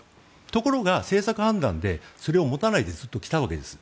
ところが、政策判断でそれを持たないでずっと来たわけです。